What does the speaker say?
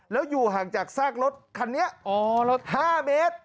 แล้วอยู่ห่างจากซากรถคันนี้๕เมตร